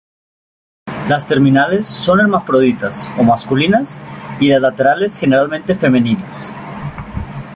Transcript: Las terminales son hermafroditas o masculinas y las laterales generalmente femeninas.